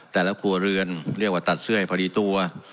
แต่ละครัวเรือนเรียกว่าตัดเสื้อให้พอดีตัว